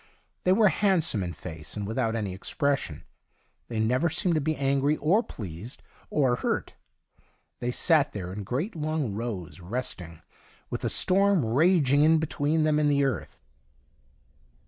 They were handsome in face, and without any expression. They never seemed to be angry or pleased, or hurt. They sat there in great long rows, resting, with the storm imaging in between them and the earth.